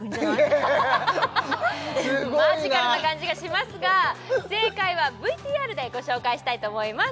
すごいなマジカルな感じがしますが正解はＶＴＲでご紹介したいと思います